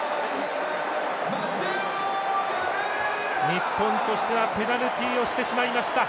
日本としてはペナルティをしてしまいました。